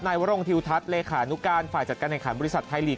วรงทิวทัศน์เลขานุการฝ่ายจัดการแห่งขันบริษัทไทยลีก